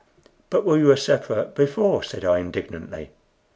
"But we were separate before," said I, indignantly.